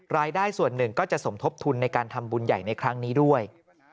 รายได้ส่วนหนึ่งก็จะสมทบทุนในการทำบุญใหญ่ในครั้งนี้ด้วย